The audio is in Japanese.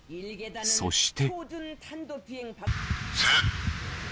そして。